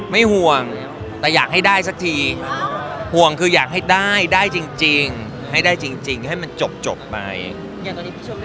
มาเจอใครอะไรนี้บ้าง